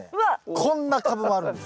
こんなカブもあるんです。